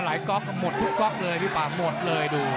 หมดทุกก๊อกเลยพี่บ้าหมดเลยดู